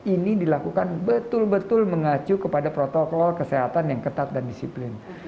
ini dilakukan betul betul mengacu kepada protokol kesehatan yang ketat dan disiplin